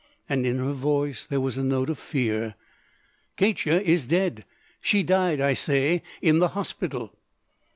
and in her voice there was a note of fear. "Katya is dead. She died, I say—in the hospital."